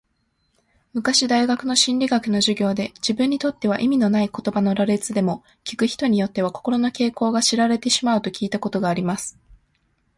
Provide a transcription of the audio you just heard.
昔大学の心理学の授業で、自分にとっては意味のない言葉の羅列でも、聞く人によっては、心の傾向が知られてしまうと聞いたことがあります。